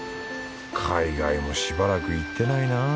海外もしばらく行ってないな